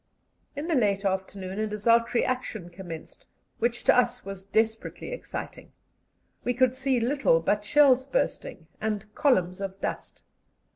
In the late afternoon a desultory action commenced, which to us was desperately exciting. We could see little but shells bursting and columns of dust.